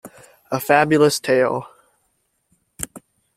A Fabulous tale.